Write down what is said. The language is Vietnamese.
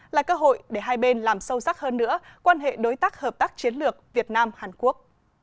là cơ hội để hai bên làm sâu sắc hơn nữa quan hệ đối tác hợp tác chiến lược việt nam hàn quốc